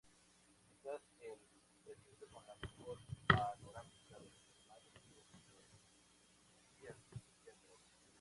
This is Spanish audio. Quizás el recinto con la mejor panorámica de los animales que residían dentro.